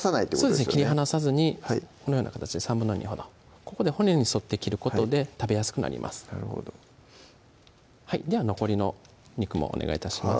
そうですね切り離さずにこのような形で２／３ほどここで骨に沿って切ることで食べやすくなりますなるほどでは残りの肉もお願い致します